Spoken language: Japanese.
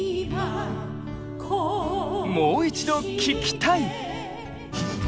もう一度聴きたい！